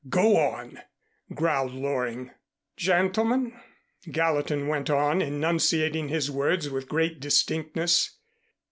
Go on," growled Loring. "Gentlemen," Gallatin went on, enunciating his words with great distinctness.